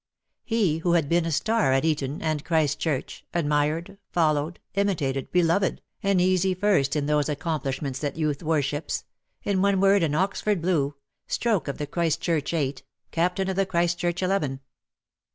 He who had been a star at Eton and Christchurch, admired, followed, imitated, beloved. 54 DEAD LOVE HAS CHAINS. an easy first in those accomplishments that youth worships, in one word an Oxford Blue, stroke of the Christchurch eight, captain of the Christchurch eleven.